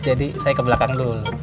saya ke belakang dulu